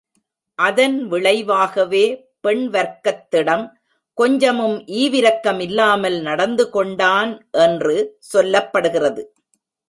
அதன் விளைவாகவே பெண் வர்க்கத்திடம் கொஞ்சமும் ஈவிரக்கமில்லாமல் நடந்து கொண்டான் என்று சொல்லப்படுகிறது.